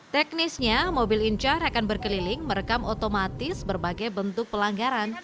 teknisnya mobil incar akan berkeliling merekam otomatis berbagai bentuk pelanggaran